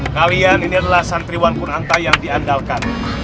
kalian ini adalah santriwan kun anta yang diandalkan